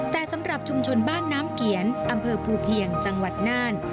แต่สำหรับชุมชนบ้านน้ำเกียรอำเภอภูเพียงจังหวัดน่าน